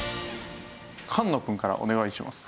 菅野くんからお願いします。